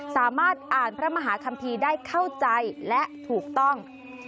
สามารถอ่านพระมหาคัมภีร์ได้เข้าใจและถูกต้อง